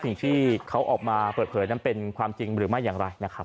สิ่งที่เขาออกมาเปิดเผยนั้นเป็นความจริงหรือไม่อย่างไรนะครับ